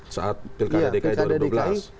saat pilkada dki dua ribu dua belas